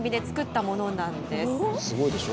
すごいでしょ。